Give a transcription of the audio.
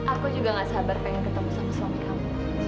aku juga gak sabar pengen ketemu sama suami kamu